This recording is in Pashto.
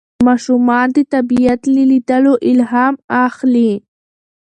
ماشومان د طبیعت له لیدلو الهام اخلي